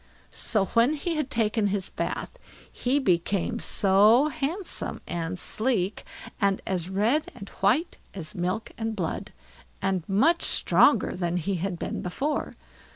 So when he had taken his bath, he became so handsome and sleek, and as red and white as milk and blood, and much stronger than he had been before.